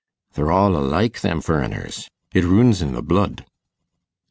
They're all alaike, them furriners. It roons i' th' blood.